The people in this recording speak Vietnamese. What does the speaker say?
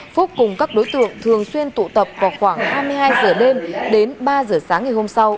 phúc cùng các đối tượng thường xuyên tụ tập vào khoảng hai mươi hai h đêm đến ba giờ sáng ngày hôm sau